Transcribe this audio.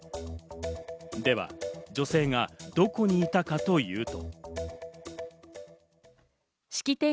では女性はどこにいたかというと。